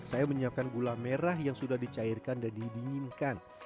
saya menyiapkan gula merah yang sudah dicairkan dan didinginkan